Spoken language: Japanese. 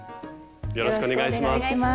よろしくお願いします。